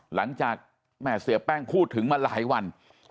หลังจากแม่เสียแป้งพูดถึงมาหลายวัน